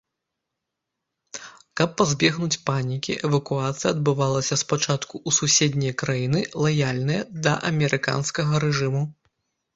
Каб пазбегнуць панікі эвакуацыя адбывалася спачатку ў суседнія краіны, лаяльныя да амерыканскага рэжыму.